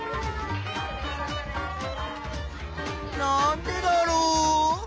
なんでだろう？